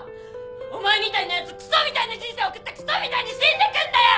お前みたいなやつくそみたいな人生送ってくそみたいに死んでくんだよ！